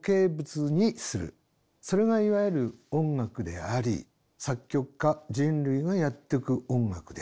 それがいわゆる音楽であり作曲家人類がやっていく音楽である。